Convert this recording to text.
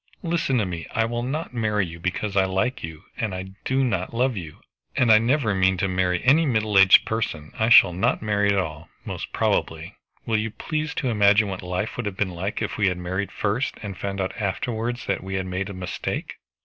"Listen to me. I will not marry you because I like you and I do not love you, and I never mean to marry any middle aged person. I shall not marry at all, most probably. Will you please to imagine what life would have been like if we had married first, and found out afterwards that we had made a mistake."